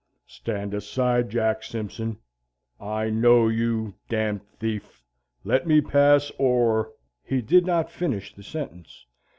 "Stand aside, Jack Simpson, I know you, you d d thief. Let me pass or " He did not finish the sentence.